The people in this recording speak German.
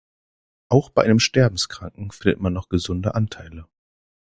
Auch bei einem Sterbenskranken findet man noch gesunde Anteile.